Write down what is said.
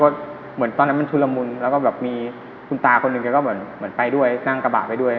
ตอนนั้นมันชุดละมุนแล้วก็มีคุณตาคนหนึ่งก็เหมือนไปด้วยนั่งกระบาดไปด้วย